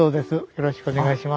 よろしくお願いします。